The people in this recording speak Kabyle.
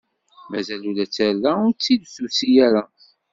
Mazal ula d tarda ur tt-id-tusi ara.